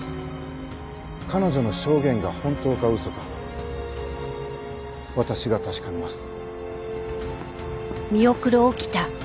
彼女の証言が本当か嘘か私が確かめます。